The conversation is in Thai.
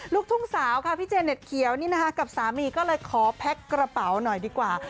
ลูกทุ่งสาวค่ะพี่เจเน็ตเขียวนี่นะคะกับสามีก็เลยขอแพ็คกระเป๋าหน่อยดีกว่า